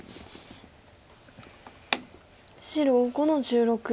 白５の十六。